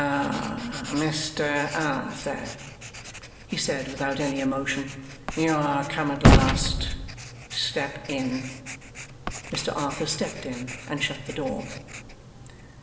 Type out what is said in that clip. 'Ah, Mr Arthur?' he said, without any emotion, 'you are come at last? Step in.' Mr Arthur stepped in and shut the door.